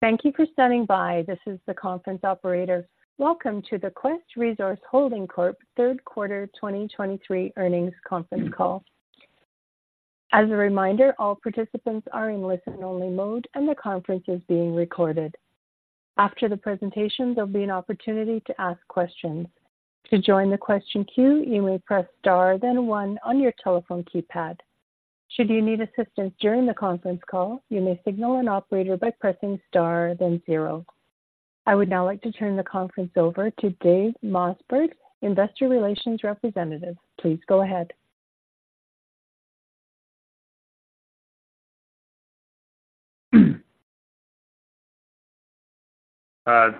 Thank you for standing by. This is the conference operator. Welcome to the Quest Resource Holding Corp Third Quarter 2023 Earnings Conference Call. As a reminder, all participants are in listen-only mode, and the conference is being recorded. After the presentation, there'll be an opportunity to ask questions. To join the question queue, you may press Star, then one on your telephone keypad. Should you need assistance during the conference call, you may signal an operator by pressing star, then zero. I would now like to turn the conference over to Dave Mossberg, investor relations representative. Please go ahead.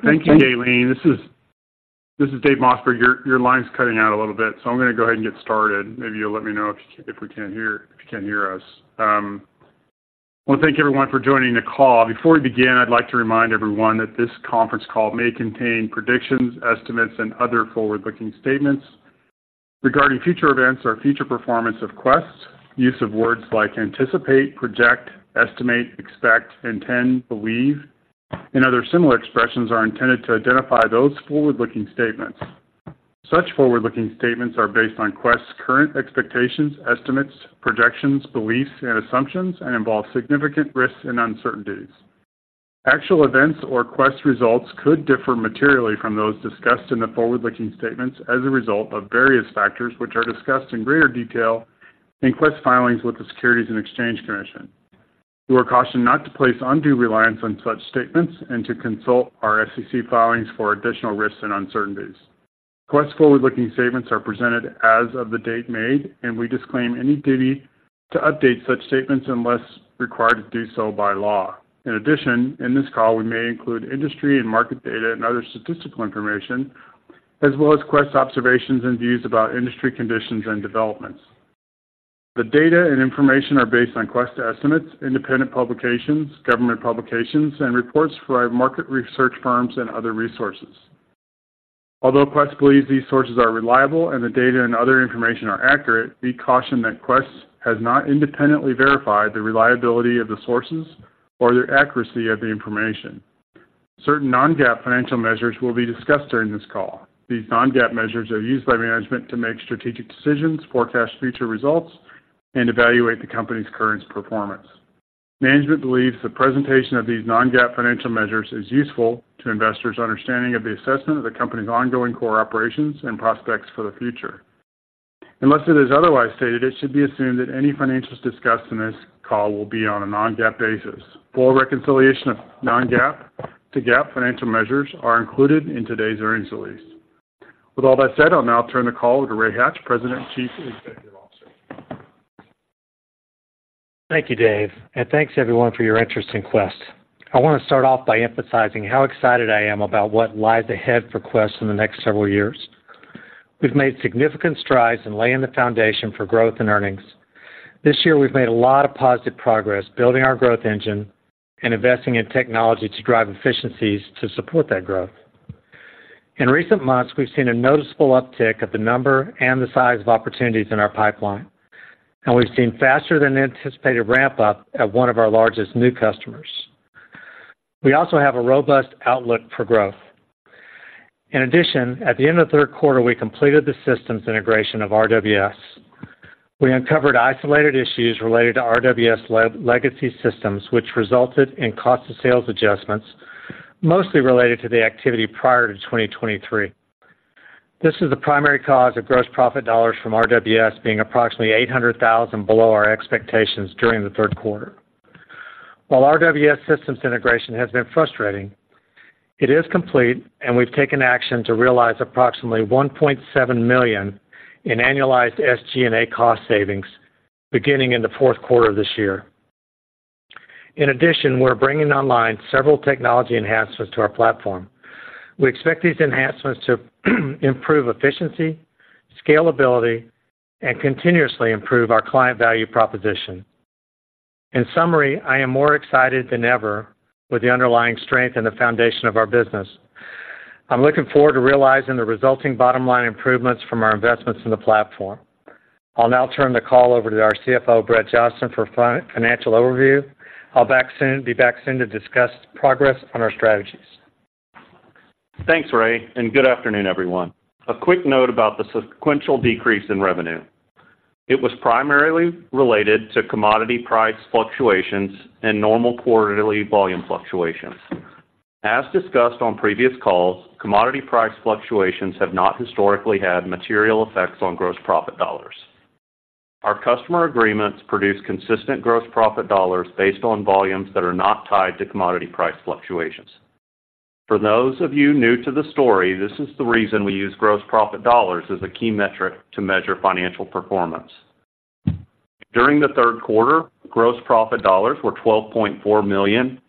Thank you, Eileen. This is Dave Mossberg. Your line's cutting out a little bit, so I'm gonna go ahead and get started. Maybe you'll let me know if you can't hear us. Well, thank you everyone for joining the call. Before we begin, I'd like to remind everyone that this conference call may contain predictions, estimates, and other forward-looking statements regarding future events or future performance of Quest. Use of words like anticipate, project, estimate, expect, intend, believe, and other similar expressions are intended to identify those forward-looking statements. Such forward-looking statements are based on Quest's current expectations, estimates, projections, beliefs, and assumptions, and involve significant risks and uncertainties. Actual events or Quest results could differ materially from those discussed in the forward-looking statements as a result of various factors, which are discussed in greater detail in Quest's filings with the Securities and Exchange Commission. You are cautioned not to place undue reliance on such statements and to consult our SEC filings for additional risks and uncertainties. Quest forward-looking statements are presented as of the date made, and we disclaim any duty to update such statements unless required to do so by law. In addition, in this call, we may include industry and market data and other statistical information, as well as Quest observations and views about industry conditions and developments. The data and information are based on Quest estimates, independent publications, government publications, and reports from our market research firms and other resources. Although Quest believes these sources are reliable and the data and other information are accurate, we caution that Quest has not independently verified the reliability of the sources or the accuracy of the information. Certain non-GAAP financial measures will be discussed during this call. These non-GAAP measures are used by management to make strategic decisions, forecast future results, and evaluate the company's current performance. Management believes the presentation of these non-GAAP financial measures is useful to investors' understanding of the assessment of the company's ongoing core operations and prospects for the future. Unless it is otherwise stated, it should be assumed that any financials discussed in this call will be on a non-GAAP basis. Full reconciliation of non-GAAP to GAAP financial measures are included in today's earnings release. With all that said, I'll now turn the call to Ray Hatch, President and Chief Executive Officer. Thank you, Dave, and thanks everyone for your interest in Quest. I want to start off by emphasizing how excited I am about what lies ahead for Quest in the next several years. We've made significant strides in laying the foundation for growth and earnings. This year, we've made a lot of positive progress building our growth engine and investing in technology to drive efficiencies to support that growth. In recent months, we've seen a noticeable uptick of the number and the size of opportunities in our pipeline, and we've seen faster than anticipated ramp-up at one of our largest new customers. We also have a robust outlook for growth. In addition, at the end of the third quarter, we completed the systems integration of RWS. We uncovered isolated issues related to RWS legacy systems, which resulted in cost of sales adjustments, mostly related to the activity prior to 2023. This is the primary cause of gross profit dollars from RWS being approximately $800,000 below our expectations during the third quarter. While RWS systems integration has been frustrating, it is complete, and we've taken action to realize approximately $1.7 million in annualized SG&A cost savings beginning in the fourth quarter of this year. In addition, we're bringing online several technology enhancements to our platform. We expect these enhancements to improve efficiency, scalability, and continuously improve our client value proposition. In summary, I am more excited than ever with the underlying strength and the foundation of our business. I'm looking forward to realizing the resulting bottom line improvements from our investments in the platform. I'll now turn the call over to our CFO, Brett Johnston, for financial overview. I'll be back soon to discuss progress on our strategies. Thanks, Ray, and good afternoon, everyone. A quick note about the sequential decrease in revenue. It was primarily related to commodity price fluctuations and normal quarterly volume fluctuations. As discussed on previous calls, commodity price fluctuations have not historically had material effects on gross profit dollars. Our customer agreements produce consistent gross profit dollars based on volumes that are not tied to commodity price fluctuations. For those of you new to the story, this is the reason we use gross profit dollars as a key metric to measure financial performance. During the third quarter, gross profit dollars were $12.4 million,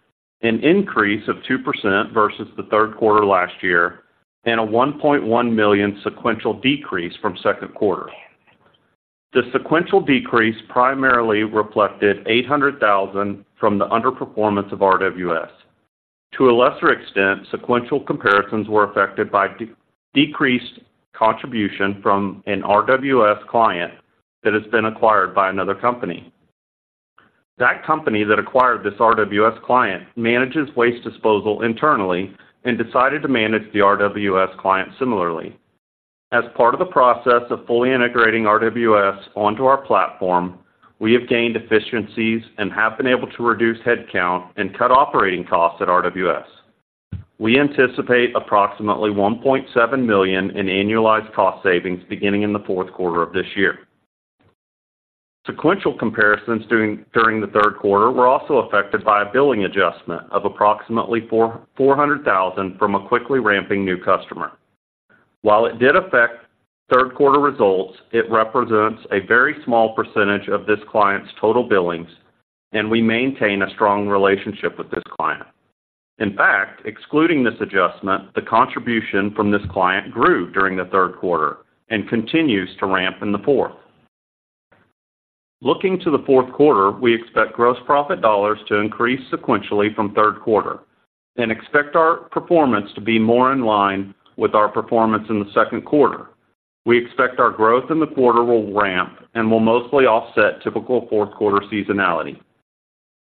an increase of 2% versus the third quarter last year, and a $1.1 million sequential decrease from second quarter. The sequential decrease primarily reflected $800,000 from the underperformance of RWS. To a lesser extent, sequential comparisons were affected by decreased contribution from an RWS client that has been acquired by another company. That company that acquired this RWS client manages waste disposal internally and decided to manage the RWS client similarly. As part of the process of fully integrating RWS onto our platform, we have gained efficiencies and have been able to reduce headcount and cut operating costs at RWS. We anticipate approximately $1.7 million in annualized cost savings beginning in the fourth quarter of this year. Sequential comparisons during the third quarter were also affected by a billing adjustment of approximately $400,000 from a quickly ramping new customer. While it did affect third quarter results, it represents a very small percentage of this client's total billings, and we maintain a strong relationship with this client. In fact, excluding this adjustment, the contribution from this client grew during the third quarter and continues to ramp in the fourth. Looking to the fourth quarter, we expect gross profit dollars to increase sequentially from third quarter and expect our performance to be more in line with our performance in the second quarter. We expect our growth in the quarter will ramp and will mostly offset typical fourth quarter seasonality.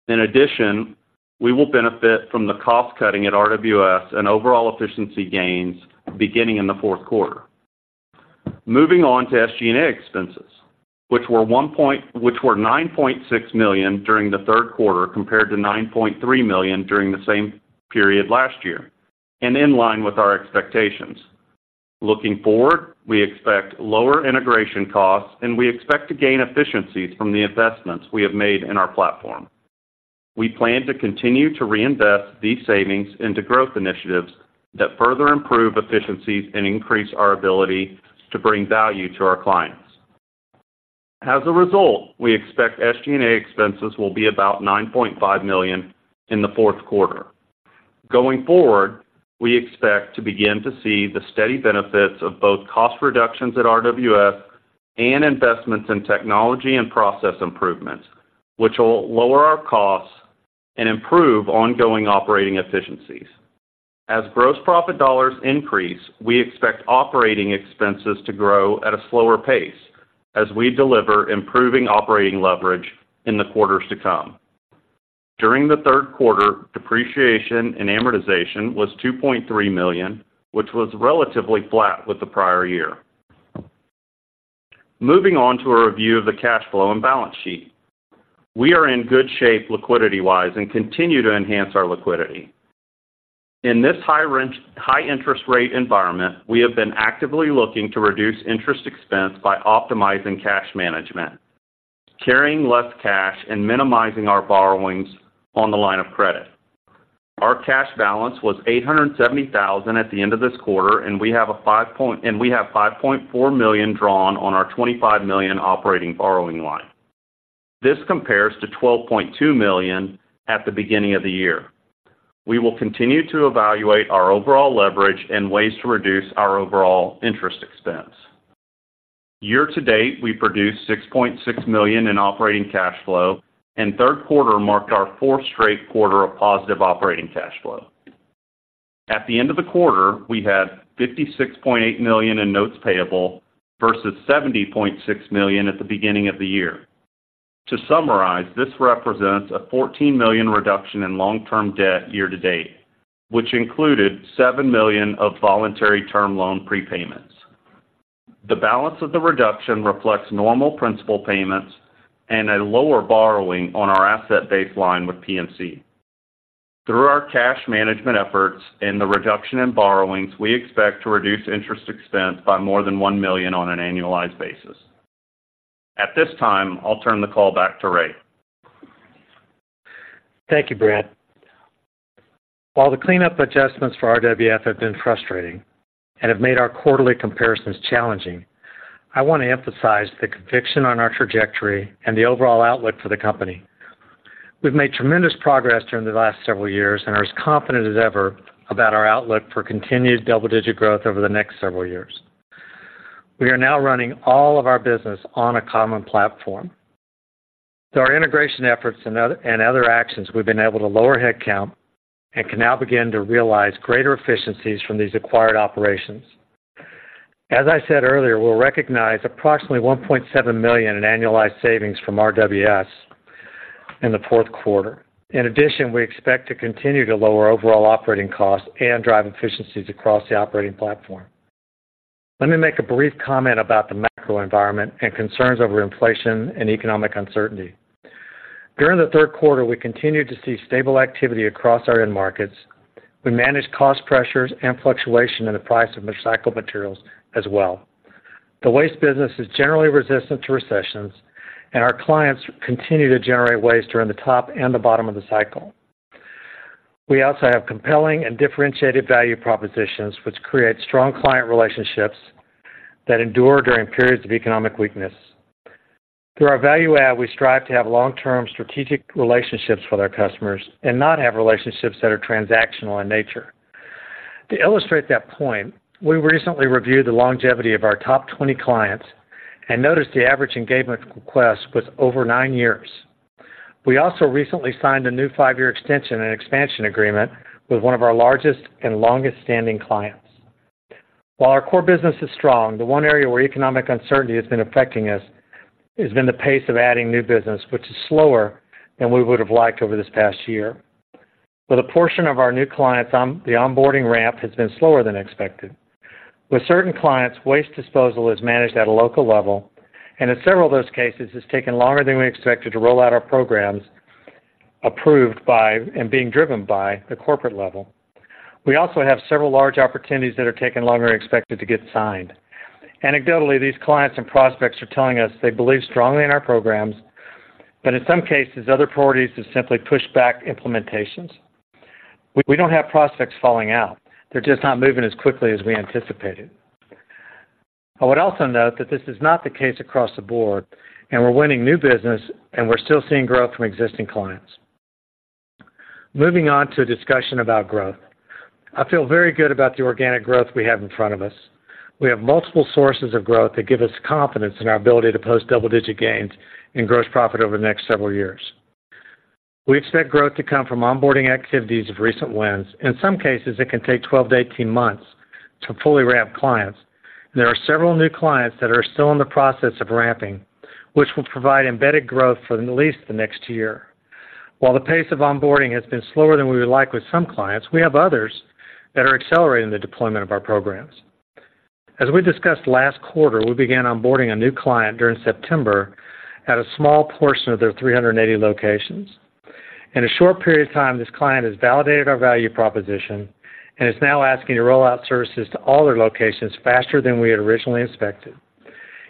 In addition, we will benefit from the cost cutting at RWS and overall efficiency gains beginning in the fourth quarter. Moving on to SG&A expenses, which were $9.6 million during the third quarter, compared to $9.3 million during the same period last year, and in line with our expectations. Looking forward, we expect lower integration costs, and we expect to gain efficiencies from the investments we have made in our platform. We plan to continue to reinvest these savings into growth initiatives that further improve efficiencies and increase our ability to bring value to our clients. As a result, we expect SG&A expenses will be about $9.5 million in the fourth quarter. Going forward, we expect to begin to see the steady benefits of both cost reductions at RWS and investments in technology and process improvements, which will lower our costs and improve ongoing operating efficiencies. As gross profit dollars increase, we expect operating expenses to grow at a slower pace as we deliver improving operating leverage in the quarters to come. During the third quarter, depreciation and amortization was $2.3 million, which was relatively flat with the prior year. Moving on to a review of the cash flow and balance sheet. We are in good shape, liquidity-wise, and continue to enhance our liquidity. In this high interest rate environment, we have been actively looking to reduce interest expense by optimizing cash management, carrying less cash, and minimizing our borrowings on the line of credit. Our cash balance was $870,000 at the end of this quarter, and we have $5.4 million drawn on our $25 million operating borrowing line. This compares to $12.2 million at the beginning of the year. We will continue to evaluate our overall leverage and ways to reduce our overall interest expense. Year to date, we produced $6.6 million in operating cash flow, and third quarter marked our fourth straight quarter of positive operating cash flow. At the end of the quarter, we had $56.8 million in notes payable versus $70.6 million at the beginning of the year. To summarize, this represents a $14 million reduction in long-term debt year to date, which included $7 million of voluntary term loan prepayments. The balance of the reduction reflects normal principal payments and a lower borrowing on our asset-based line with PNC. Through our cash management efforts and the reduction in borrowings, we expect to reduce interest expense by more than $1 million on an annualized basis. At this time, I'll turn the call back to Ray. Thank you, Brett. While the cleanup adjustments for RWS have been frustrating and have made our quarterly comparisons challenging, I want to emphasize the conviction on our trajectory and the overall outlook for the company. We've made tremendous progress during the last several years and are as confident as ever about our outlook for continued double-digit growth over the next several years. We are now running all of our business on a common platform. Through our integration efforts and other actions, we've been able to lower headcount and can now begin to realize greater efficiencies from these acquired operations. As I said earlier, we'll recognize approximately $1.7 million in annualized savings from RWS in the fourth quarter. In addition, we expect to continue to lower overall operating costs and drive efficiencies across the operating platform. Let me make a brief comment about the macro environment and concerns over inflation and economic uncertainty. During the third quarter, we continued to see stable activity across our end markets. We managed cost pressures and fluctuation in the price of recycled materials as well. The waste business is generally resistant to recessions, and our clients continue to generate waste during the top and the bottom of the cycle. We also have compelling and differentiated value propositions, which create strong client relationships that endure during periods of economic weakness. Through our value add, we strive to have long-term strategic relationships with our customers and not have relationships that are transactional in nature. To illustrate that point, we recently reviewed the longevity of our top 20 clients and noticed the average engagement request was over 9 years... We also recently signed a new 5-year extension and expansion agreement with one of our largest and longest-standing clients. While our core business is strong, the one area where economic uncertainty has been affecting us, has been the pace of adding new business, which is slower than we would have liked over this past year. With a portion of our new clients, on the onboarding ramp has been slower than expected. With certain clients, waste disposal is managed at a local level, and in several of those cases, it's taken longer than we expected to roll out our programs, approved by and being driven by the corporate level. We also have several large opportunities that are taking longer expected to get signed. Anecdotally, these clients and prospects are telling us they believe strongly in our programs, but in some cases, other priorities have simply pushed back implementations. We don't have prospects falling out, they're just not moving as quickly as we anticipated. I would also note that this is not the case across the board, and we're winning new business, and we're still seeing growth from existing clients. Moving on to a discussion about growth. I feel very good about the organic growth we have in front of us. We have multiple sources of growth that give us confidence in our ability to post double-digit gains in gross profit over the next several years. We expect growth to come from onboarding activities of recent wins. In some cases, it can take 12-18 months to fully ramp clients. There are several new clients that are still in the process of ramping, which will provide embedded growth for at least the next year. While the pace of onboarding has been slower than we would like with some clients, we have others that are accelerating the deployment of our programs. As we discussed last quarter, we began onboarding a new client during September at a small portion of their 380 locations. In a short period of time, this client has validated our value proposition and is now asking to roll out services to all their locations faster than we had originally expected.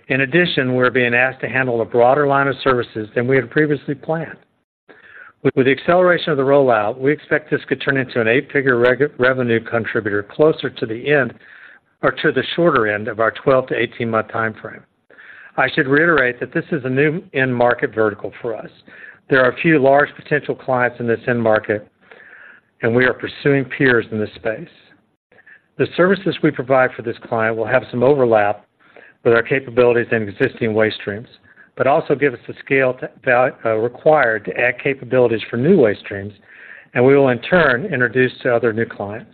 In addition, we're being asked to handle a broader line of services than we had previously planned. With the acceleration of the rollout, we expect this could turn into an eight-figure revenue contributor closer to the end or to the shorter end of our 12-18-month time frame. I should reiterate that this is a new end market vertical for us. There are a few large potential clients in this end market, and we are pursuing peers in this space. The services we provide for this client will have some overlap with our capabilities and existing waste streams, but also give us the scale required to add capabilities for new waste streams, and we will, in turn, introduce to other new clients.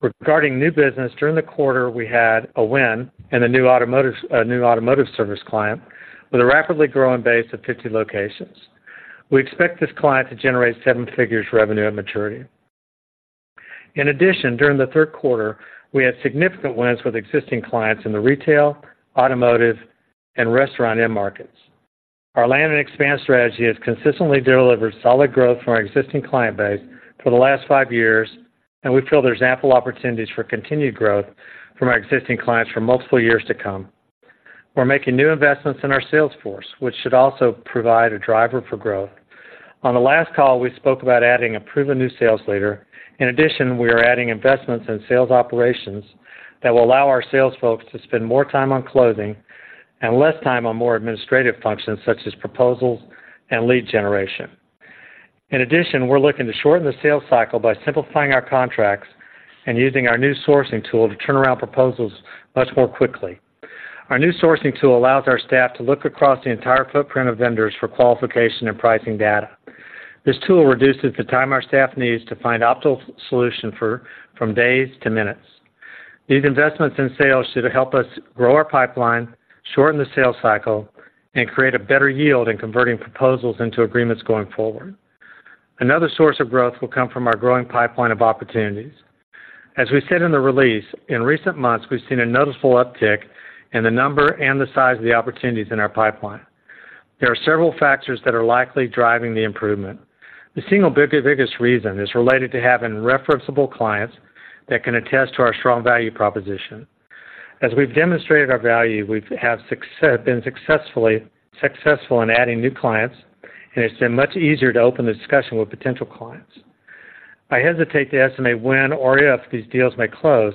Regarding new business, during the quarter, we had a win and a new automotive service client with a rapidly growing base of 50 locations. We expect this client to generate seven figures revenue at maturity. In addition, during the third quarter, we had significant wins with existing clients in the retail, automotive, and restaurant end markets. Our land and expand strategy has consistently delivered solid growth from our existing client base for the last five years, and we feel there's ample opportunities for continued growth from our existing clients for multiple years to come. We're making new investments in our sales force, which should also provide a driver for growth. On the last call, we spoke about adding a proven new sales leader. In addition, we are adding investments in sales operations that will allow our sales folks to spend more time on closing and less time on more administrative functions, such as proposals and lead generation. In addition, we're looking to shorten the sales cycle by simplifying our contracts and using our new sourcing tool to turn around proposals much more quickly. Our new sourcing tool allows our staff to look across the entire footprint of vendors for qualification and pricing data. This tool reduces the time our staff needs to find optimal solution for, from days to minutes. These investments in sales should help us grow our pipeline, shorten the sales cycle, and create a better yield in converting proposals into agreements going forward. Another source of growth will come from our growing pipeline of opportunities. As we said in the release, in recent months, we've seen a noticeable uptick in the number and the size of the opportunities in our pipeline. There are several factors that are likely driving the improvement. The single biggest reason is related to having referenceable clients that can attest to our strong value proposition. As we've demonstrated our value, we've been successful in adding new clients, and it's been much easier to open the discussion with potential clients. I hesitate to estimate when or if these deals may close,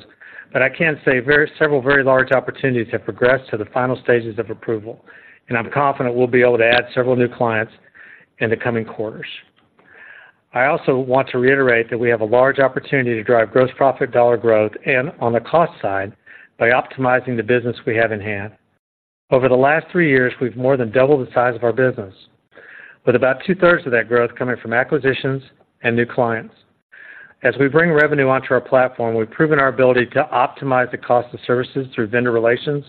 but I can say several very large opportunities have progressed to the final stages of approval, and I'm confident we'll be able to add several new clients in the coming quarters. I also want to reiterate that we have a large opportunity to drive gross profit dollar growth and on the cost side by optimizing the business we have in-hand. Over the last 3 years, we've more than doubled the size of our business, with about two-thirds of that growth coming from acquisitions and new clients. As we bring revenue onto our platform, we've proven our ability to optimize the cost of services through vendor relations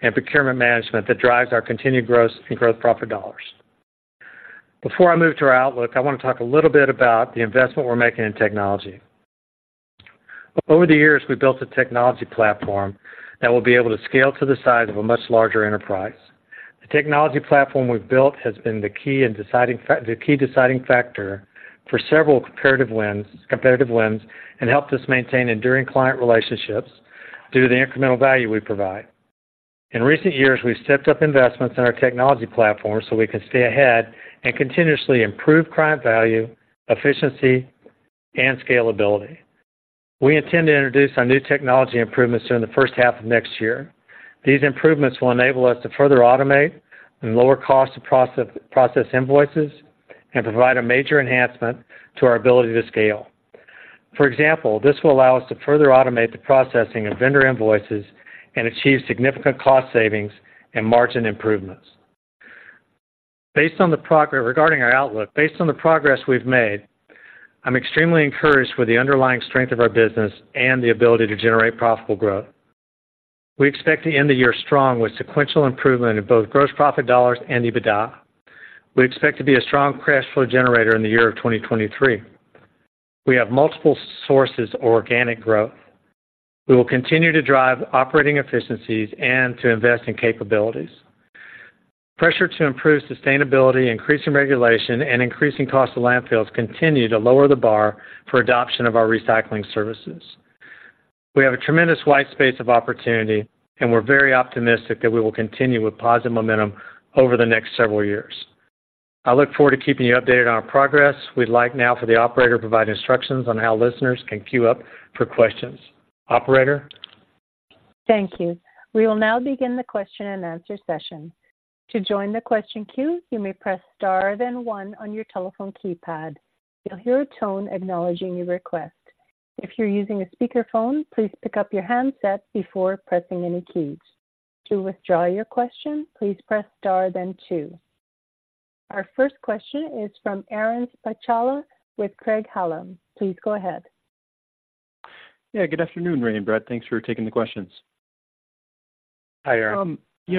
and procurement management that drives our continued growth and gross profit dollars. Before I move to our outlook, I want to talk a little bit about the investment we're making in technology. Over the years, we've built a technology platform that will be able to scale to the size of a much larger enterprise. The technology platform we've built has been the key deciding factor for several comparative wins, competitive wins, and helped us maintain enduring client relationships due to the incremental value we provide. In recent years, we've stepped up investments in our technology platform so we can stay ahead and continuously improve client value, efficiency, and scalability. We intend to introduce our new technology improvements during the first half of next year. These improvements will enable us to further automate and lower cost to process invoices and provide a major enhancement to our ability to scale. For example, this will allow us to further automate the processing of vendor invoices and achieve significant cost savings and margin improvements. Based on the progress regarding our outlook, based on the progress we've made, I'm extremely encouraged with the underlying strength of our business and the ability to generate profitable growth. We expect to end the year strong, with sequential improvement in both gross profit dollars and EBITDA. We expect to be a strong cash flow generator in the year of 2023. We have multiple sources of organic growth. We will continue to drive operating efficiencies and to invest in capabilities. Pressure to improve sustainability, increasing regulation, and increasing cost of landfills continue to lower the bar for adoption of our recycling services. We have a tremendous white space of opportunity, and we're very optimistic that we will continue with positive momentum over the next several years. I look forward to keeping you updated on our progress. We'd like now for the operator to provide instructions on how listeners can queue up for questions. Operator? Thank you. We will now begin the question-and-answer session. To join the question queue, you may press star, then one on your telephone keypad. You'll hear a tone acknowledging your request. If you're using a speakerphone, please pick up your handset before pressing any keys. To withdraw your question, please press star then two. Our first question is from Aaron Spychalla with Craig-Hallum. Please go ahead. Yeah, good afternoon, Ray and Brett. Thanks for taking the questions. Hi, Aaron. You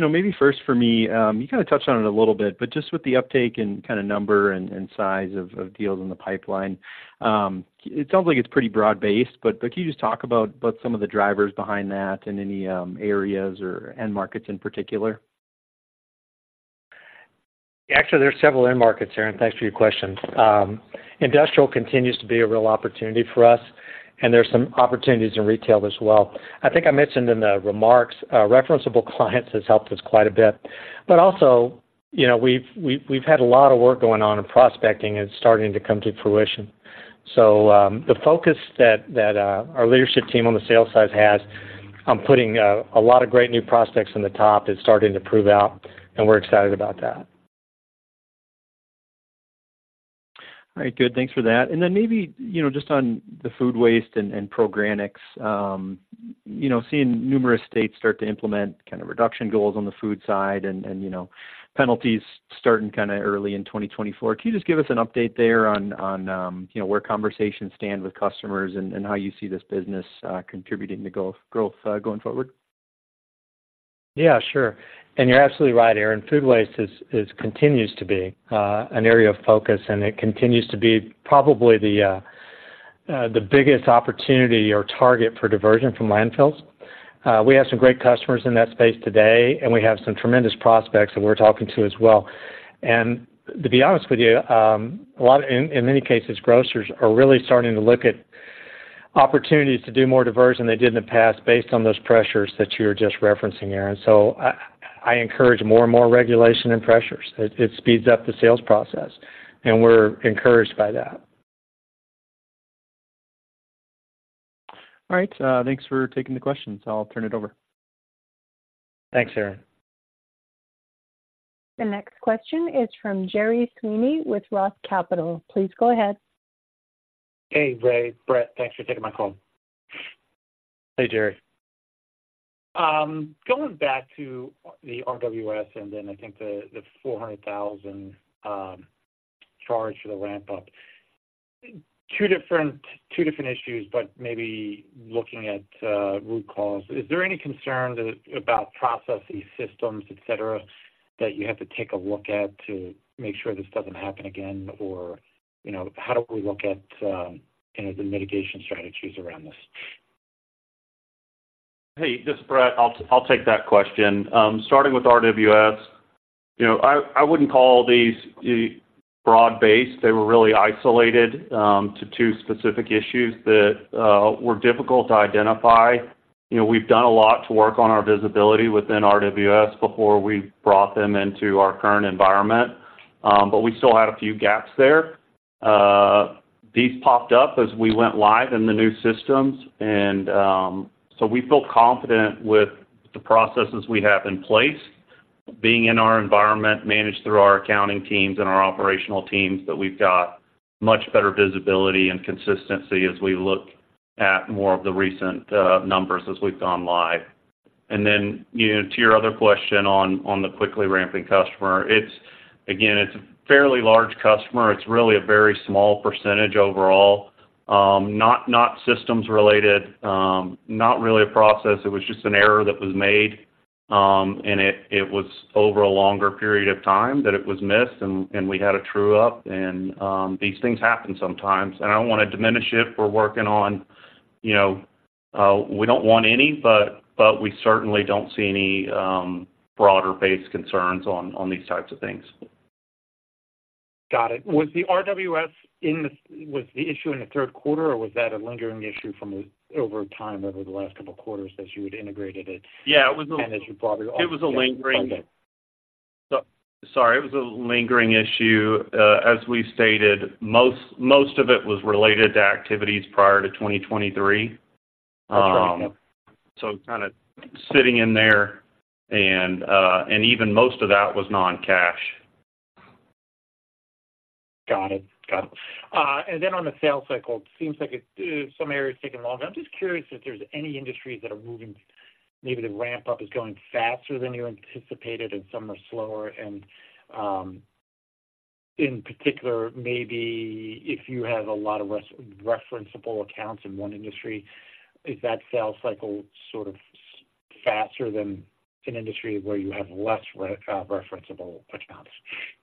know, maybe first for me, you kind of touched on it a little bit, but just with the uptake and kind of number and, and size of deals in the pipeline, it sounds like it's pretty broad-based, but, but can you just talk about, about some of the drivers behind that and any areas or end markets in particular? Actually, there are several end markets, Aaron. Thanks for your question. Industrial continues to be a real opportunity for us, and there are some opportunities in retail as well. I think I mentioned in the remarks, referenceable clients has helped us quite a bit, but also, you know, we've had a lot of work going on in prospecting and starting to come to fruition. So, the focus that our leadership team on the sales side has on putting a lot of great new prospects in the top is starting to prove out, and we're excited about that. All right, good. Thanks for that. And then maybe, you know, just on the food waste and organics, you know, seeing numerous states start to implement kind of reduction goals on the food side and, you know, penalties starting kind of early in 2024. Can you just give us an update there on, you know, where conversations stand with customers and how you see this business contributing to growth going forward? Yeah, sure. And you're absolutely right, Aaron. Food waste continues to be an area of focus, and it continues to be probably the biggest opportunity or target for diversion from landfills. We have some great customers in that space today, and we have some tremendous prospects that we're talking to as well. And to be honest with you, a lot of... In many cases, grocers are really starting to look at opportunities to do more diversion than they did in the past, based on those pressures that you were just referencing, Aaron. So I encourage more and more regulation and pressures. It speeds up the sales process, and we're encouraged by that. All right, thanks for taking the questions. I'll turn it over. Thanks, Aaron. The next question is from Gerry Sweeney with Roth Capital. Please go ahead. Hey, Ray, Brett. Thanks for taking my call. Hey, Gerry. Going back to the RWS and then I think the $400,000 charge for the ramp-up. Two different issues, but maybe looking at root cause, is there any concern about processes, systems, et cetera, that you have to take a look at to make sure this doesn't happen again? Or, you know, how do we look at, you know, the mitigation strategies around this? Hey, this is Brett. I'll take that question. Starting with RWS, you know, I wouldn't call these broad-based. They were really isolated to two specific issues that were difficult to identify. You know, we've done a lot to work on our visibility within RWS before we brought them into our current environment, but we still had a few gaps there. These popped up as we went live in the new systems, and so we feel confident with the processes we have in place, being in our environment, managed through our accounting teams and our operational teams, that we've got much better visibility and consistency as we look at more of the recent numbers as we've gone live. And then, you know, to your other question on the quickly ramping customer, it's again a fairly large customer. It's really a very small percentage overall. Not systems related, not really a process. It was just an error that was made, and it was over a longer period of time that it was missed, and we had to true up. These things happen sometimes, and I don't want to diminish it. We're working on, you know, we don't want any, but we certainly don't see any broader-based concerns on these types of things. Got it. Was the issue in the third quarter, or was that a lingering issue from the, over time, over the last couple of quarters as you had integrated it? Yeah, it was a- And as you brought it- It was a lingering issue. As we stated, most of it was related to activities prior to 2023. So kind of sitting in there, and even most of that was non-cash. Got it. Got it. And then on the sales cycle, it seems like it, some areas are taking longer. I'm just curious if there's any industries that are moving, maybe the ramp-up is going faster than you anticipated and some are slower. And, in particular, maybe if you have a lot of referenceable accounts in one industry, is that sales cycle sort of faster than an industry where you have less referenceable accounts? Yeah,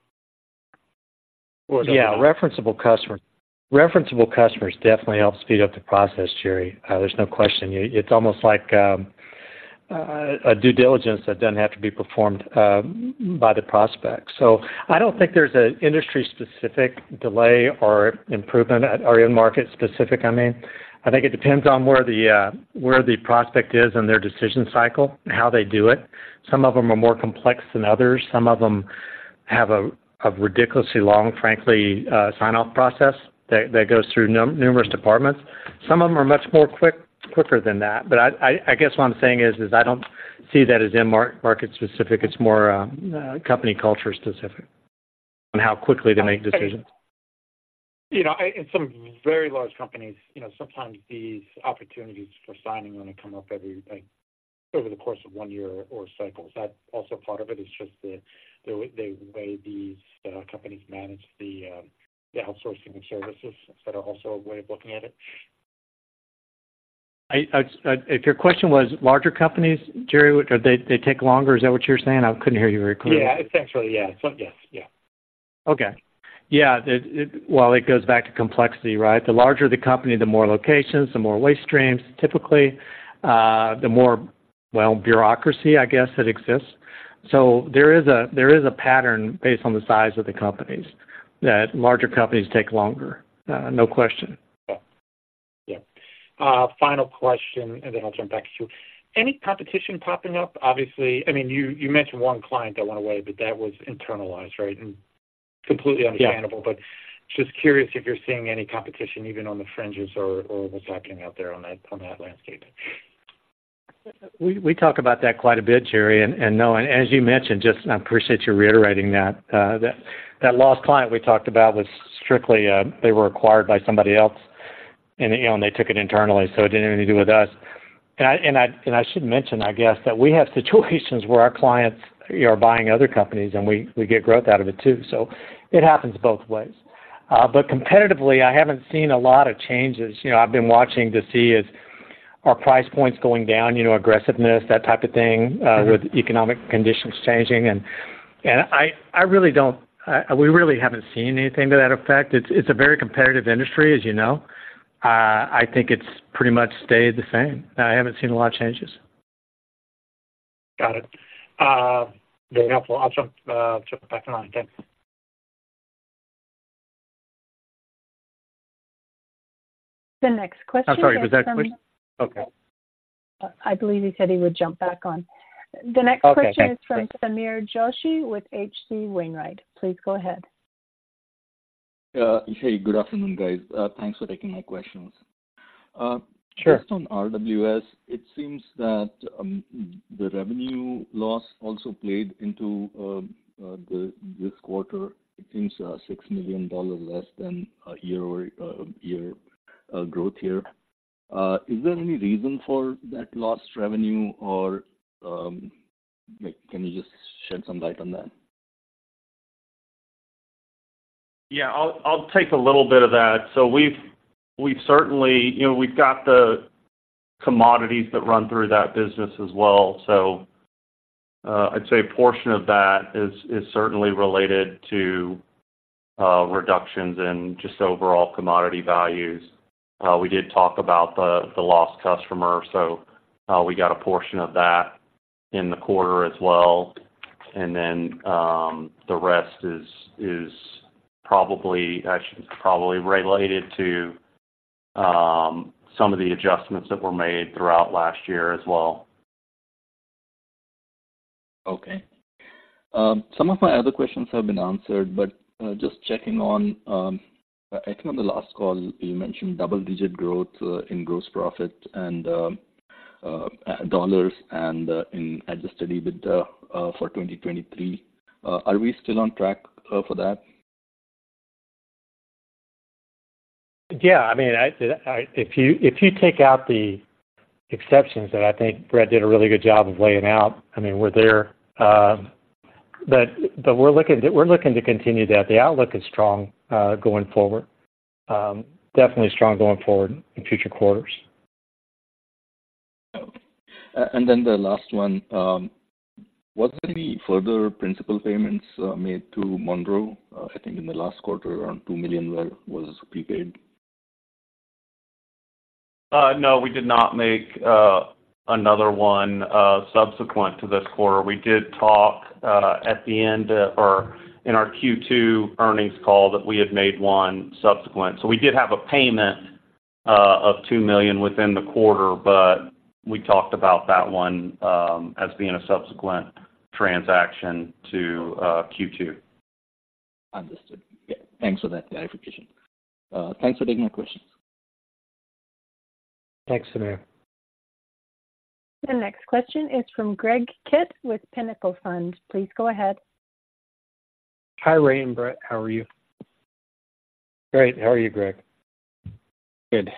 referenceable customers definitely help speed up the process, Gerry. There's no question. It's almost like a due diligence that doesn't have to be performed by the prospect. So I don't think there's an industry-specific delay or improvement or end market specific, I mean. I think it depends on where the prospect is in their decision cycle and how they do it. Some of them are more complex than others. Some of them have a ridiculously long, frankly, sign-off process that goes through numerous departments. Some of them are much quicker than that. But I guess what I'm saying is I don't see that as end market specific. It's more company culture specific on how quickly they make decisions. You know, in some very large companies, you know, sometimes these opportunities for signing only come up every, like, over the course of one year or cycles. That also part of it is just the way these companies manage the outsourcing of services. Is that are also a way of looking at it? I, if your question was larger companies, Gerry, they take longer. Is that what you're saying? I couldn't hear you very clearly. Yeah, essentially, yeah. So yes. Yeah. Okay. Yeah, well, it goes back to complexity, right? The larger the company, the more locations, the more waste streams, typically, the more, well, bureaucracy, I guess, that exists. So there is a pattern based on the size of the companies, that larger companies take longer, no question. Yeah. Yeah. Final question, and then I'll turn back to you. Any competition popping up? Obviously, I mean, you, you mentioned one client that went away, but that was internalized, right? And completely understandable. Yeah. Just curious if you're seeing any competition, even on the fringes or what's happening out there on that landscape? We talk about that quite a bit, Gerry, and no, as you mentioned, I appreciate you reiterating that. That lost client we talked about was strictly, they were acquired by somebody else, and, you know, and they took it internally, so it didn't have anything to do with us. And I should mention, I guess, that we have situations where our clients are buying other companies, and we get growth out of it, too. So it happens both ways. But competitively, I haven't seen a lot of changes. You know, I've been watching to see if our price points going down, you know, aggressiveness, that type of thing, with economic conditions changing. And I really don't... We really haven't seen anything to that effect. It's a very competitive industry, as you know. I think it's pretty much stayed the same. I haven't seen a lot of changes. Got it. Very helpful. I'll jump back in line. Thank you. The next question- I'm sorry, was that the question? Okay. I believe he said he would jump back on. Okay. The next question is from Sameer Joshi with H.C. Wainwright. Please go ahead. Hey, good afternoon, guys. Thanks for taking my questions. Uh, sure. Just on RWS, it seems that the revenue loss also played into this quarter. It seems $6 million less than year-over-year growth. Is there any reason for that lost revenue, or, like, can you just shed some light on that? Yeah, I'll take a little bit of that. So we've certainly, you know, we've got the commodities that run through that business as well. So I'd say a portion of that is certainly related to reductions in just overall commodity values. We did talk about the lost customer, so we got a portion of that in the quarter as well. And then the rest is probably, actually, probably related to some of the adjustments that were made throughout last year as well. Okay. Some of my other questions have been answered, but just checking on, I think on the last call, you mentioned double-digit growth in gross profit and dollars and in Adjusted EBITDA for 2023. Are we still on track for that? Yeah. I mean, if you take out the exceptions that I think Brett did a really good job of laying out, I mean, we're there. But we're looking to continue that. The outlook is strong, going forward. Definitely strong going forward in future quarters. And then the last one, was there any further principal payments made to Monroe? I think in the last quarter, around $2 million were prepaid. No, we did not make another one subsequent to this quarter. We did talk at the end of, or in our Q2 earnings call that we had made one subsequent. So we did have a payment of $2 million within the quarter, but we talked about that one as being a subsequent transaction to Q2. ...Understood. Yeah, thanks for that clarification. Thanks for taking my questions. Thanks, Sameer. The next question is from Greg Kitt with Pinnacle Family Office. Please go ahead. Hi, Ray and Brett. How are you? Great. How are you, Greg? Good.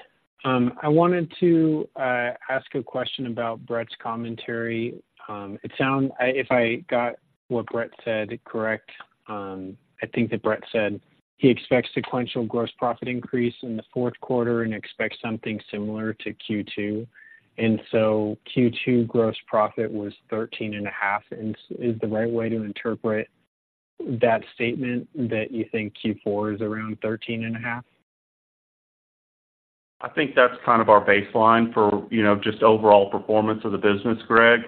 I wanted to ask a question about Brett's commentary. If I got what Brett said correct, I think that Brett said he expects sequential gross profit increase in the fourth quarter and expects something similar to Q2. And so Q2 gross profit was $13.5. And is the right way to interpret that statement that you think Q4 is around $13.5? I think that's kind of our baseline for, you know, just overall performance of the business, Greg.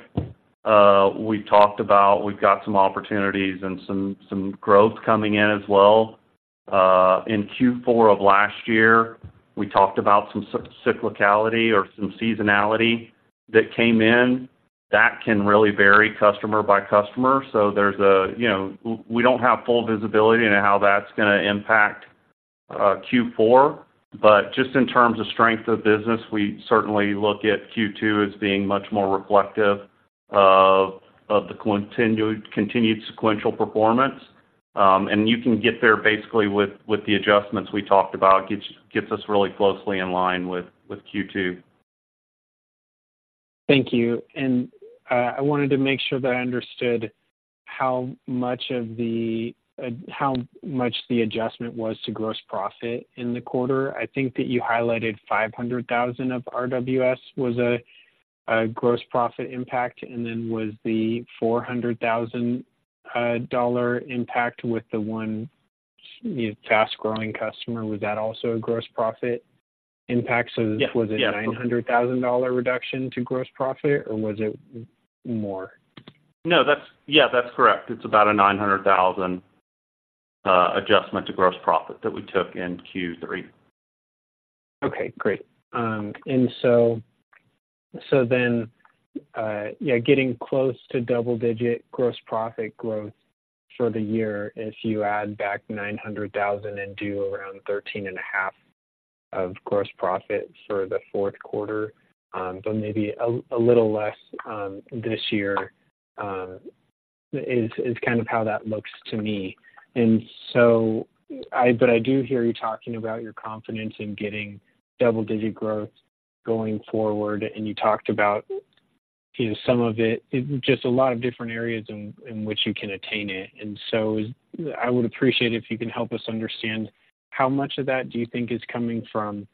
We talked about, we've got some opportunities and some growth coming in as well. In Q4 of last year, we talked about some cyclicality or some seasonality that came in. That can really vary customer by customer. So, you know, we don't have full visibility into how that's going to impact Q4, but just in terms of strength of business, we certainly look at Q2 as being much more reflective of the continued sequential performance. And you can get there basically with the adjustments we talked about, gets us really closely in line with Q2. Thank you. And, I wanted to make sure that I understood how much of the, how much the adjustment was to gross profit in the quarter. I think that you highlighted $500,000 of RWS was a, a gross profit impact, and then was the $400,000 dollar impact with the one fast-growing customer. Was that also a gross profit impact? Yes. So was it a $900,000 reduction to gross profit, or was it more? No, that's, yeah, that's correct. It's about $900,000 adjustment to gross profit that we took in Q3. Okay, great. And so, so then, yeah, getting close to double-digit Gross Profit growth for the year, if you add back $900,000 and do around $13.5 million of Gross Profit for the fourth quarter, so maybe a little less this year is kind of how that looks to me. And so, but I do hear you talking about your confidence in getting double-digit growth going forward, and you talked about, you know, some of it, just a lot of different areas in which you can attain it. And so I would appreciate if you can help us understand how much of that do you think is coming from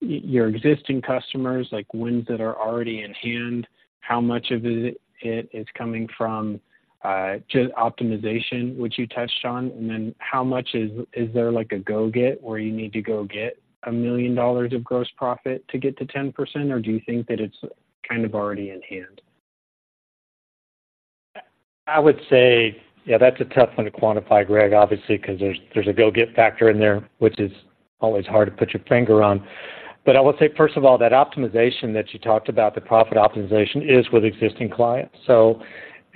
your existing customers, like, wins that are already in hand? How much of it is coming from just optimization, which you touched on? Then how much is, is there like a go-get where you need to go get $1 million of gross profit to get to 10%, or do you think that it's kind of already in hand? I would say, yeah, that's a tough one to quantify, Greg, obviously, because there's a go-get factor in there, which is always hard to put your finger on. But I will say, first of all, that optimization that you talked about, the profit optimization, is with existing clients. So...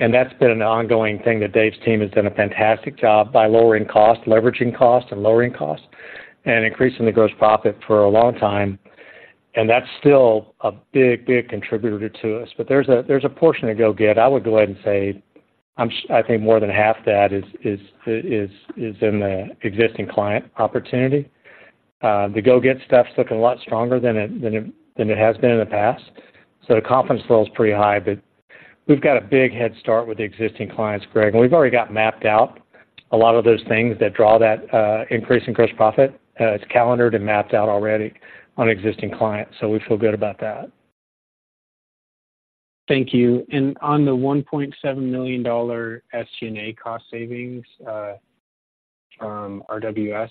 And that's been an ongoing thing, that Dave's team has done a fantastic job by lowering costs, leveraging costs and lowering costs, and increasing the gross profit for a long time. And that's still a big, big contributor to us. But there's a portion of go-get. I would go ahead and say, I'm sure. I think more than half that is in the existing client opportunity. The go-get stuff is looking a lot stronger than it has been in the past. So the confidence level is pretty high, but we've got a big head start with the existing clients, Greg. We've already got mapped out a lot of those things that draw that increase in gross profit. It's calendared and mapped out already on existing clients, so we feel good about that. Thank you. And on the $1.7 million SG&A cost savings from RWS,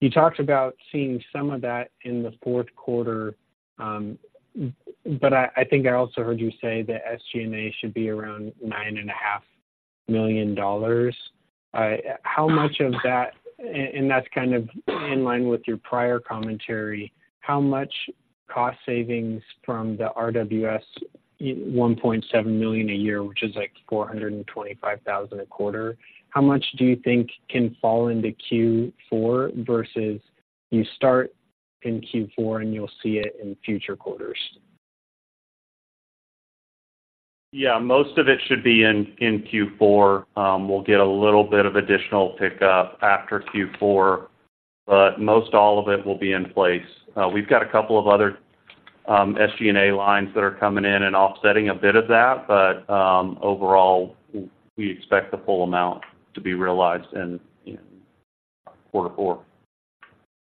you talked about seeing some of that in the fourth quarter, but I think I also heard you say that SG&A should be around $9.5 million. How much of that, and that's kind of in line with your prior commentary, how much cost savings from the RWS, $1.7 million a year, which is like $425,000 a quarter, how much do you think can fall into Q4 versus you start in Q4 and you'll see it in future quarters? Yeah, most of it should be in Q4. We'll get a little bit of additional pickup after Q4, but most all of it will be in place. We've got a couple of other SG&A lines that are coming in and offsetting a bit of that, but overall, we expect the full amount to be realized in quarter four.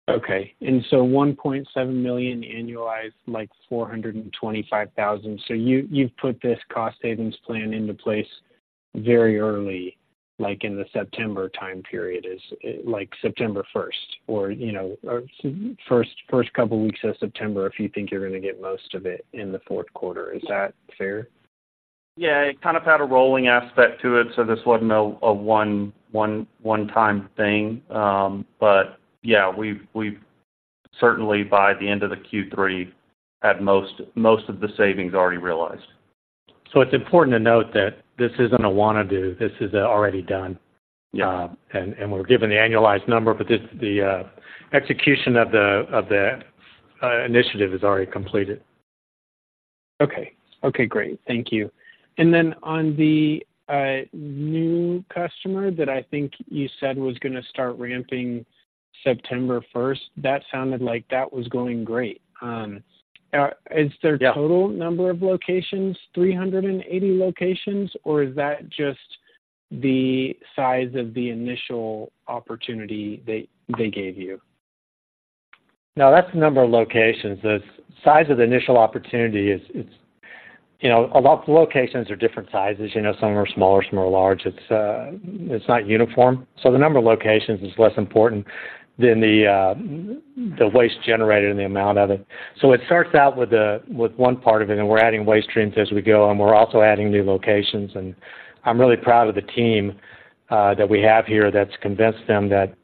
Okay. And so $1.7 million annualized, like $425,000. So you, you've put this cost savings plan into place very early, like in the September time period, is it like September first, or, you know, or first couple weeks of September, if you think you're going to get most of it in the fourth quarter, is that fair? Yeah, it kind of had a rolling aspect to it, so this wasn't a one-time thing. But yeah, we've certainly, by the end of the Q3, had most of the savings already realized. ...So it's important to note that this isn't a want to do, this is already done. And we're given the annualized number, but this, the execution of the initiative is already completed. Okay. Okay, great. Thank you. And then on the new customer that I think you said was going to start ramping September first, that sounded like that was going great. Is their- Yeah -total number of locations, 380 locations, or is that just the size of the initial opportunity they gave you? No, that's the number of locations. The size of the initial opportunity is, you know, a lot of the locations are different sizes. You know, some are smaller, some are large. It's not uniform. So the number of locations is less important than the waste generated and the amount of it. So it starts out with one part of it, and we're adding waste streams as we go, and we're also adding new locations. And I'm really proud of the team that we have here that's convinced them that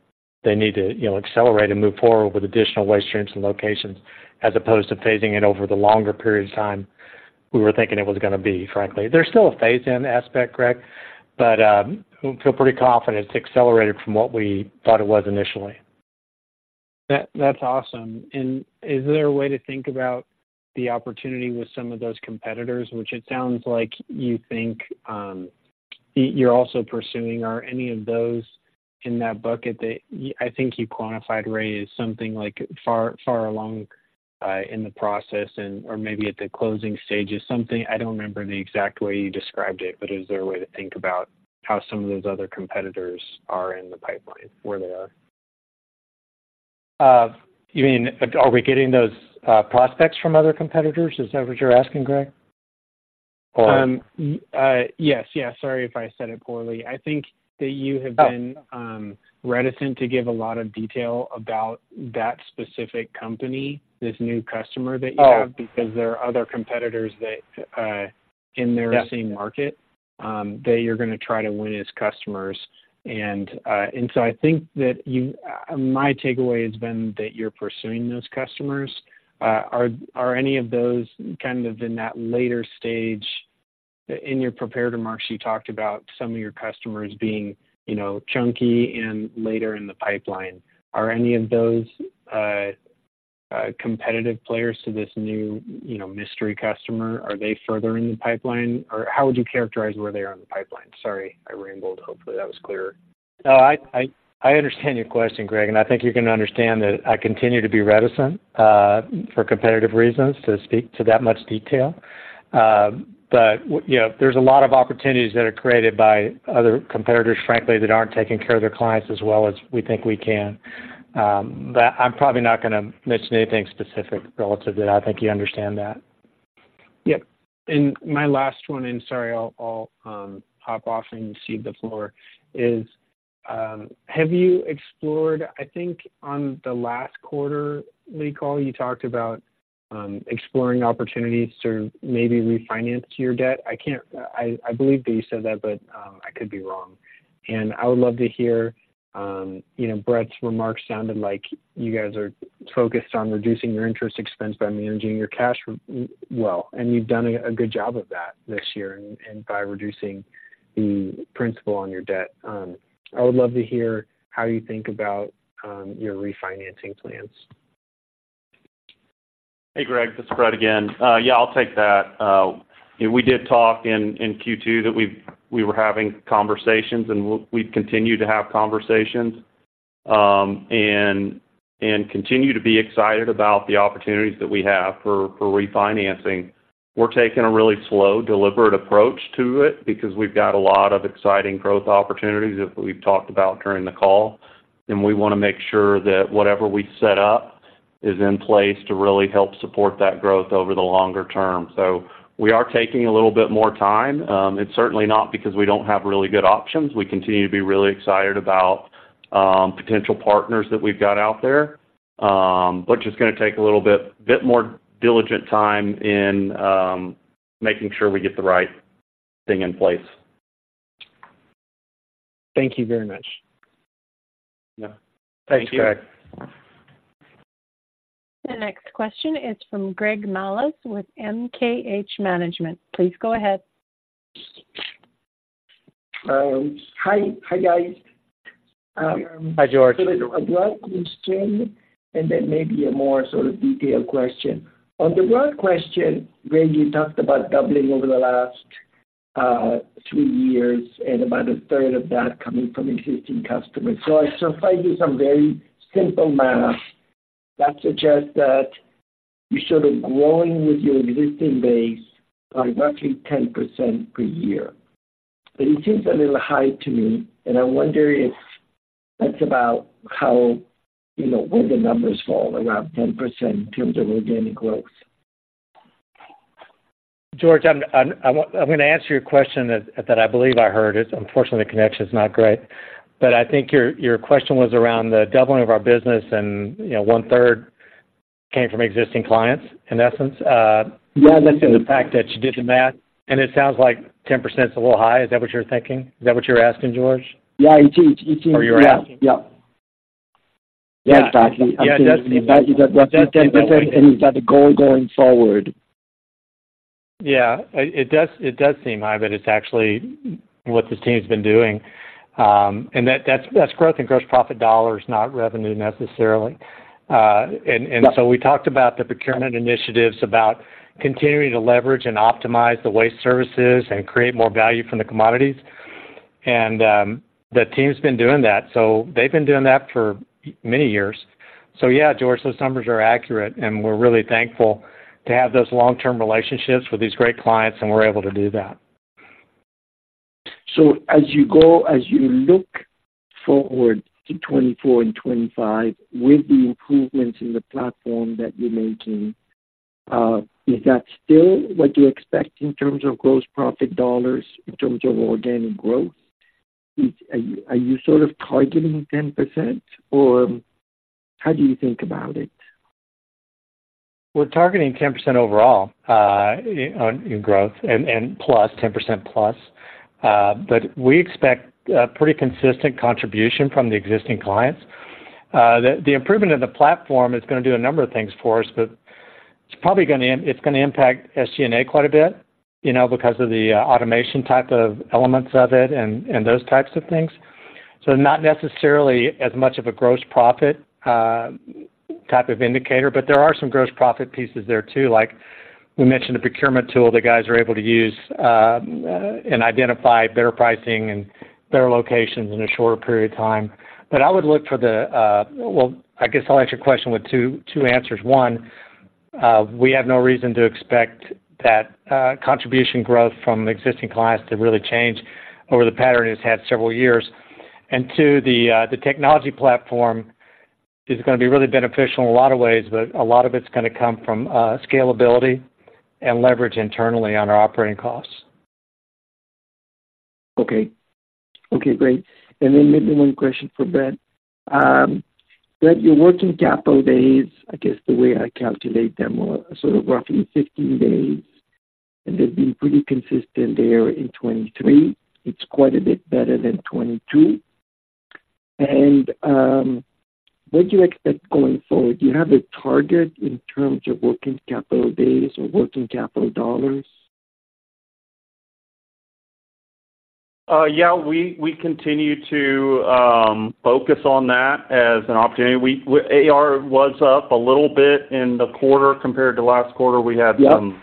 they need to, you know, accelerate and move forward with additional waste streams and locations, as opposed to phasing it over the longer period of time we were thinking it was going to be, frankly. There's still a phase-in aspect, Greg, but we feel pretty confident it's accelerated from what we thought it was initially. That, that's awesome. And is there a way to think about the opportunity with some of those competitors, which it sounds like you think, you're also pursuing? Are any of those in that bucket that I think you quantified, Ray, as something like far, far along, in the process and, or maybe at the closing stages, something I don't remember the exact way you described it, but is there a way to think about how some of those other competitors are in the pipeline, where they are? You mean, are we getting those prospects from other competitors? Is that what you're asking, Greg? Or- Yes, yes. Sorry if I said it poorly. I think that you have been- Oh... reticent to give a lot of detail about that specific company, this new customer that you have- Oh -because there are other competitors that, in their- Yeah Same market that you're going to try to win as customers. And so I think that my takeaway has been that you're pursuing those customers. Are any of those kind of in that later stage? In your prepared remarks, you talked about some of your customers being, you know, chunky and later in the pipeline. Are any of those competitive players to this new, you know, mystery customer? Are they further in the pipeline, or how would you characterize where they are in the pipeline? Sorry, I rambled. Hopefully, that was clearer. No, I understand your question, Greg, and I think you're going to understand that I continue to be reticent for competitive reasons to speak to that much detail. But you know, there's a lot of opportunities that are created by other competitors, frankly, that aren't taking care of their clients as well as we think we can. But I'm probably not going to mention anything specific relative to that. I think you understand that. Yep. And my last one, and sorry, I'll hop off and cede the floor, is have you explored—I think on the last quarter's call, you talked about exploring opportunities to maybe refinance your debt. I can't... I believe that you said that, but I could be wrong. And I would love to hear, you know, Brett's remarks sounded like you guys are focused on reducing your interest expense by managing your cash well, and you've done a good job of that this year and by reducing the principal on your debt. I would love to hear how you think about your refinancing plans. Hey, Greg, this is Brett again. Yeah, I'll take that. We did talk in Q2 that we were having conversations, and we've continued to have conversations and continue to be excited about the opportunities that we have for refinancing. We're taking a really slow, deliberate approach to it because we've got a lot of exciting growth opportunities that we've talked about during the call, and we want to make sure that whatever we set up is in place to really help support that growth over the longer term. So we are taking a little bit more time. It's certainly not because we don't have really good options. We continue to be really excited about potential partners that we've got out there. But it's just gonna take a little bit more diligent time in making sure we get the right thing in place. Thank you very much. Yeah. Thank you. Thanks, Greg. The next question is from George Melas with MKH Management. Please go ahead. Hi. Hi, guys. Hi, George. A broad question and then maybe a more sort of detailed question. On the broad question, Greg, you talked about doubling over the last 3 years and about a third of that coming from existing customers. So I tried to do some very simple math that suggests that you should be growing with your existing base by roughly 10% per year. But it seems a little high to me, and I wonder if that's about how, you know, where the numbers fall, around 10% in terms of organic growth. George, I'm going to answer your question that I believe I heard. Unfortunately, the connection is not great, but I think your question was around the doubling of our business and, you know, one-third came from existing clients, in essence. Yeah, that's it. And the fact that you did the math, and it sounds like 10% is a little high. Is that what you're thinking? Is that what you're asking, George? Yeah, it seems... Or you were asking? Yeah. Yeah.... Yeah, exactly. Yeah, it does seem like that 10% and is that the goal going forward? Yeah, it does seem high, but it's actually what this team's been doing. And that's growth in gross profit dollars, not revenue necessarily. And so we talked about the procurement initiatives, about continuing to leverage and optimize the waste services and create more value from the commodities. And the team's been doing that. So they've been doing that for many years. So yeah, George, those numbers are accurate, and we're really thankful to have those long-term relationships with these great clients, and we're able to do that. So as you look forward to 2024 and 2025, with the improvements in the platform that you're making, is that still what you expect in terms of Gross Profit Dollars, in terms of organic growth? Are you, are you sort of targeting 10%, or how do you think about it? We're targeting 10% overall in growth and 10%+. But we expect a pretty consistent contribution from the existing clients. The improvement in the platform is going to do a number of things for us, but it's probably gonna impact... It's going to impact SG&A quite a bit, you know, because of the automation type of elements of it and those types of things. So not necessarily as much of a gross profit type of indicator, but there are some gross profit pieces there too. Like, we mentioned the procurement tool that guys are able to use and identify better pricing and better locations in a shorter period of time. But I would look for the... Well, I guess I'll answer your question with two answers. One, we have no reason to expect that contribution growth from existing clients to really change over the pattern it's had several years. And two, the technology platform is going to be really beneficial in a lot of ways, but a lot of it's going to come from scalability and leverage internally on our operating costs. Okay. Okay, great. And then maybe one question for Brett. Brett, your working capital days, I guess the way I calculate them, are sort of roughly 15 days, and they've been pretty consistent there in 2023. It's quite a bit better than 2022. And what do you expect going forward? Do you have a target in terms of working capital days or working capital dollars? Yeah, we continue to focus on that as an opportunity. AR was up a little bit in the quarter compared to last quarter. Yeah. We had some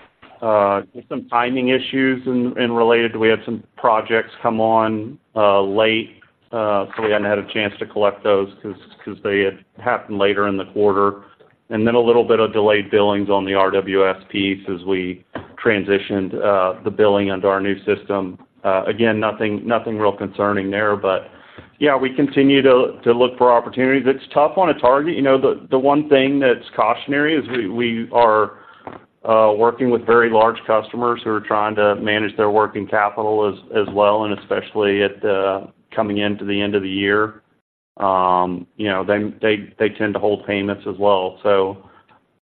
just some timing issues and related. We had some projects come on late, so we hadn't had a chance to collect those because they had happened later in the quarter. And then a little bit of delayed billings on the RWS piece as we transitioned the billing onto our new system. Again, nothing real concerning there, but yeah, we continue to look for opportunities. It's tough on a target. You know, the one thing that's cautionary is we are working with very large customers who are trying to manage their working capital as well, and especially coming into the end of the year. You know, they tend to hold payments as well. So,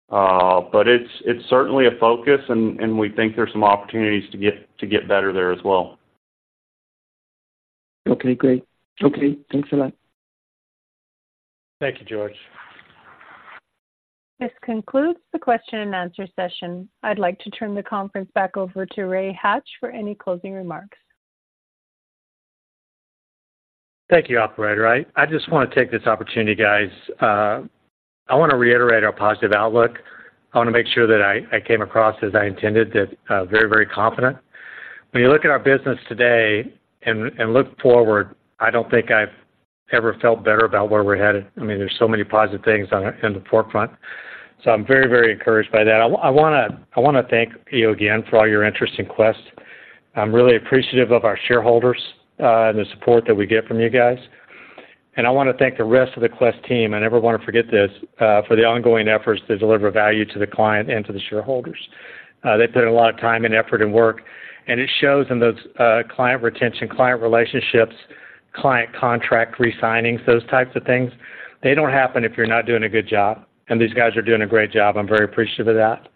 but it's certainly a focus and we think there's some opportunities to get better there as well. Okay, great. Okay, thanks a lot. Thank you, George. This concludes the question and answer session. I'd like to turn the conference back over to Ray Hatch for any closing remarks. Thank you, operator. I just want to take this opportunity, guys. I want to reiterate our positive outlook. I want to make sure that I came across as I intended, that very, very confident. When you look at our business today and look forward, I don't think I've ever felt better about where we're headed. I mean, there's so many positive things in the forefront, so I'm very, very encouraged by that. I want to thank you again for all your interest in Quest. I'm really appreciative of our shareholders and the support that we get from you guys. And I want to thank the rest of the Quest team. I never want to forget this, for the ongoing efforts to deliver value to the client and to the shareholders. They've put in a lot of time and effort and work, and it shows in those client retention, client relationships, client contract re-signings, those types of things. They don't happen if you're not doing a good job, and these guys are doing a great job. I'm very appreciative of that.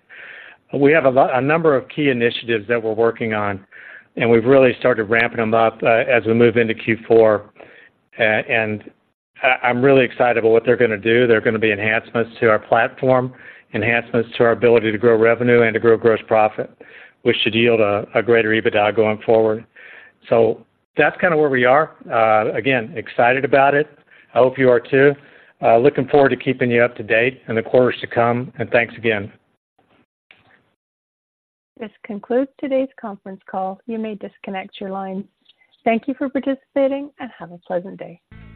We have a lot, a number of key initiatives that we're working on, and we've really started ramping them up as we move into Q4. And I, I'm really excited about what they're going to do. There are going to be enhancements to our platform, enhancements to our ability to grow revenue and to grow gross profit, which should yield a greater EBITDA going forward. So that's kind of where we are. Again, excited about it. I hope you are too. Looking forward to keeping you up to date in the quarters to come, and thanks again. This concludes today's conference call. You may disconnect your line. Thank you for participating, and have a pleasant day.